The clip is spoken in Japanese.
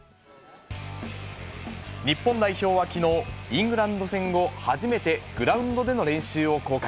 日本代表はきのう、イングランド戦後初めてグラウンドでの練習を公開。